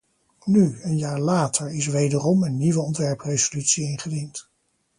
Nu, een jaar later, is wederom een nieuwe ontwerpresolutie ingediend.